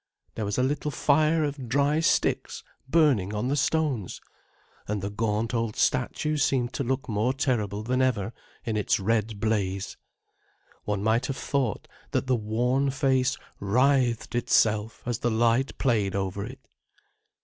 There was a little fire of dry sticks burning on the stones, and the gaunt old statue seemed to look more terrible than ever in its red blaze. One might have thought that the worn face writhed itself as the light played over it.